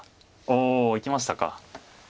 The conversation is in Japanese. おお！いきましたか。